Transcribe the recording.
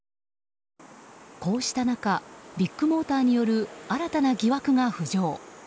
こうした中ビッグモーターによる新たな疑惑が浮上。